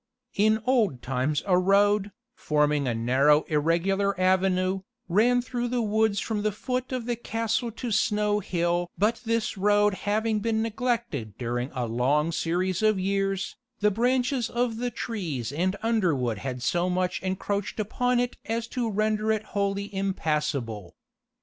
In old times a road, forming a narrow irregular avenue, ran through the woods from the foot of the castle to Snow Hill but this road having been neglected during a long series of years, the branches of the trees and underwood had so much encroached upon it as to render it wholly impassable.